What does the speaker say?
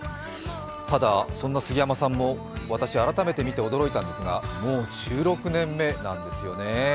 ただそんな杉山さんも私、改めて見て驚いたんですがもう１６年目なんですよねぇ。